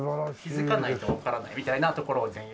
気づかないとわからないみたいなところを前衛。